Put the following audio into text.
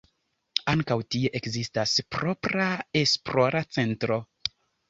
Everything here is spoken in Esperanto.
Ankaŭ tie ekzistas propra esplora centro.